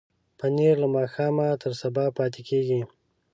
پنېر له ماښامه تر سبا پاتې کېږي.